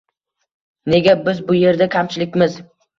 — Nega biz bu yerda kamchilikmiz?